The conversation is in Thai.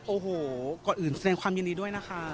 โอ้โหก่อนอื่นแสดงความยินดีด้วยนะคะ